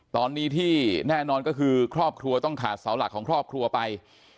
ตอนนี้ที่แน่นอนก็คือครอบครัวต้องขาดเสาหลักของครอบครัวไป